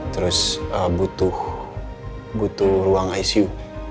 terus butuh ruang icu